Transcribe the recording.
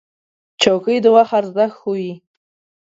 چوکۍ د وخت ارزښت ښووي.